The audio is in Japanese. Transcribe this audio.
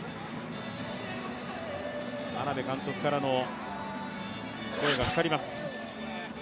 眞鍋監督からの声がかかります。